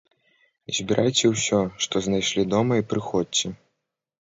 Збірайце ўсе, што знайшлі дома і прыходзьце!